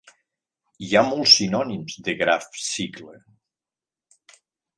Hi ha molts sinònims de "graf cicle".